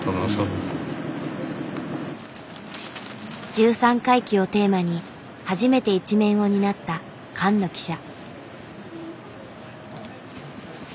「十三回忌」をテーマに初めて１面を担った菅野記者。